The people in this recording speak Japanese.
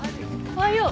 おはよう。